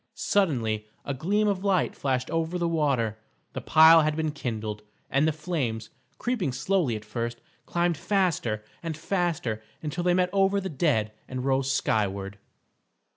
Suddenly a gleam of light flashed over the water; the pile had been kindled, and the flames, creeping slowly at first, climbed faster and faster until they met over the dead and rose skyward.